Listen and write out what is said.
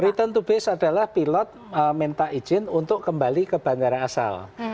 return to base adalah pilot minta izin untuk kembali ke bandara asal